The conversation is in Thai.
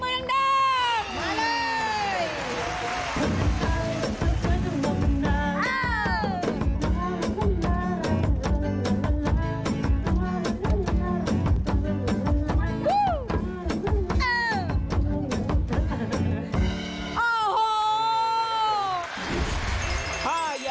ข้อส่องคืออะไรคะ